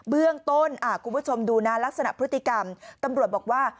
เบื้องต้นคุณผู้ชมดูนะลักษณะพฤติกรรมตำรวจบอกว่า